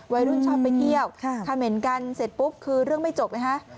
ไว้รุ่นชอบไปเที่ยวคาเมนต์กันเสร็จปุ๊บคือเรื่องไม่จบนะฮะ